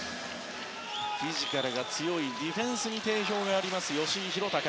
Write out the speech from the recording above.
フィジカルが強いディフェンスに定評のある吉井裕鷹。